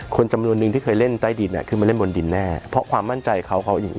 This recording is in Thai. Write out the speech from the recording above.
คนจำนวนนึงที่เคยเล่นใต้ดินขึ้นมาเล่นบนดินแน่เพราะความมั่นใจเขาเขาอีก